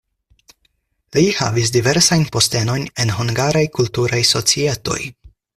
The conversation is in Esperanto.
Li havis diversajn postenojn en hungaraj kulturaj societoj.